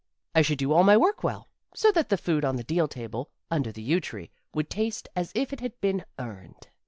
I should do all my work well, so that the food on the deal table, under the yew tree, would taste as if it had been earned.